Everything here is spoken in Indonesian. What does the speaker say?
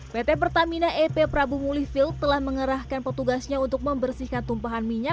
pt pertamina ep prabu mulifield telah mengerahkan petugasnya untuk membersihkan tumpahan minyak